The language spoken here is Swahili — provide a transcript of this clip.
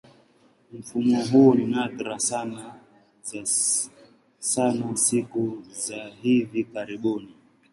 Mfumo huu ni nadra sana siku za hivi karibuni.